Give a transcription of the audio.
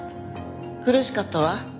苦しかったわ。